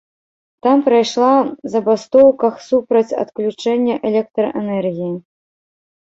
Там прайшла забастоўках супраць адключэння электраэнергіі.